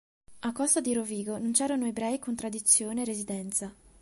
A Costa di Rovigo non c'erano ebrei con tradizione e residenza.